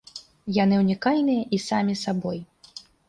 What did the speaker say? Яны ўнікальныя і самі сабой.